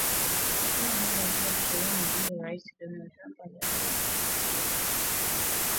Lakini mwaka elfu mbili na ishirini, Rais Donald Trump aliamuru wanajeshi mia saba na hamsini wa Marekani waliopo nchini Somalia kuondoka.